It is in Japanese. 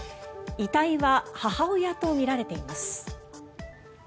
遺体は母親とみられています。